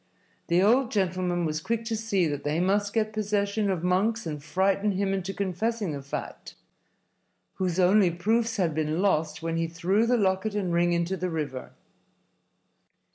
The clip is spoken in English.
The old gentleman was quick to see that they must get possession of Monks and frighten him into confessing the fact whose only proofs had been lost when he threw the locket and ring into the river.